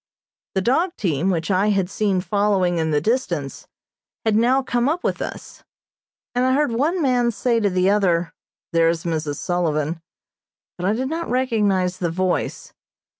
The dog team, which I had seen following in the distance, had now come up with us, and I heard one man say to the other: "There is Mrs. Sullivan," but I did not recognize the voice.